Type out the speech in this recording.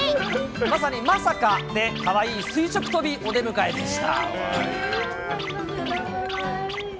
まさにまさかでかわいい垂直跳びお出迎えでした。